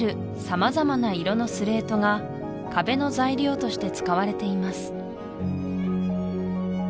様々な色のスレートが壁の材料として使われています